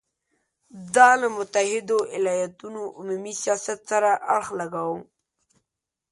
دا له متحدو ایالتونو عمومي سیاست سره اړخ لګاوه.